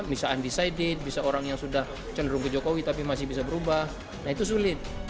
bisa undecided bisa orang yang sudah cenderung ke jokowi tapi masih bisa berubah nah itu sulit